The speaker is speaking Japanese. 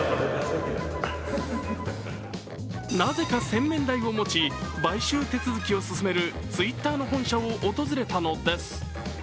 なぜか洗面台を持ち、買収手続きを進めるツイッターの本社を訪れたのです。